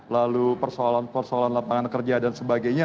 lalu persoalan persoalan lapangan kerja dan sebagainya